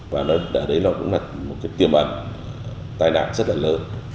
và đấy là một cái tiêu bản tai nạn rất là lớn